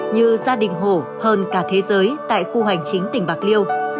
như gia đình hổ hơn cả thế giới tại khu hành chính tỉnh bạc liêu